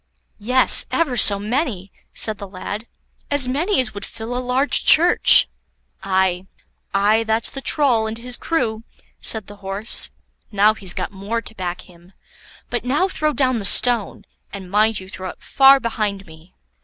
"Yes, ever so many," said the lad, "as many as would fill a large church." "Aye, aye, that's the Troll and his crew," said the Horse; "now he's got more to back him; but now throw down the stone, and mind you throw it far behind me."